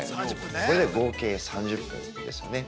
これで合計３０分ですよね。